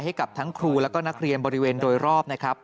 ให้กับทั้งครูแล้วก็นักเรียนบริเวณโดยรอบนะครับ